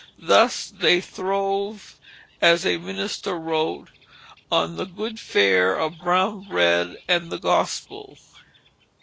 Thus they throve, as a minister wrote, on the "Good Fare of brown Bread and the Gospel."